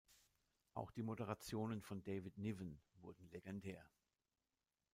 Auch die Moderationen von David Niven wurden legendär.